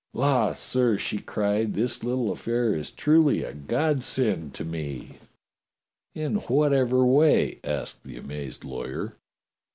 "La, sir," she cried, "this little affair is truly a Godsend to me." "In whatever way?" asked the amazed lawyer.